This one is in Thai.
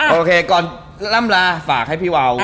โอเคก่อนล่ำลาฝากให้พี่วาว